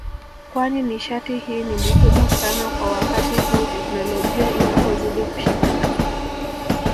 kwani nishati hii ni muhimu sana kwa wakati huu teknolojia inapozidi kushika kasi